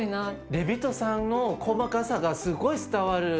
デイビッドさんの細かさがすごい伝わる。